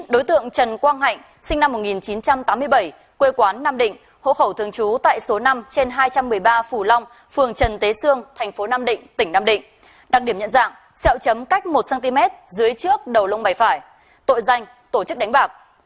đối tượng trần quang hạnh sinh năm một nghìn chín trăm tám mươi bảy quê quán nam định hộ khẩu thường trú tại số năm trên hai trăm một mươi ba phù long phường trần tế sương thành phố nam định tỉnh nam định đặc điểm nhận dạng xeo chấm cách một cm dưới trước đầu lông bày phải tội danh tổ chức đánh bạc